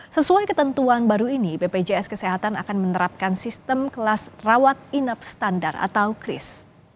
sesuai ketentuan baru ini bpjs kesehatan akan menerapkan sistem kelas rawat inap standar atau kris